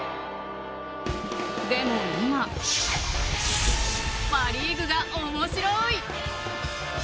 でも、今パ・リーグが面白い。